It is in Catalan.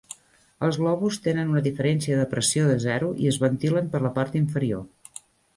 Els globus tenen una diferència de pressió de zero, i es ventilen per la part inferior.